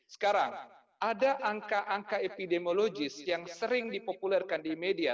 sekarang ada angka angka epidemiologis yang sering dipopulerkan di media